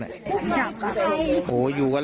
ชอบครับ